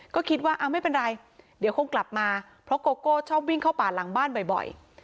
ก็คิดว่าไม่เป็นไรเดี๋ยวคงกลับมาเพราะโกโก้ชอบวิ่งเข้าป่าหลังบ้านบ่อย